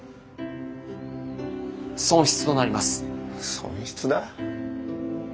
損失だ？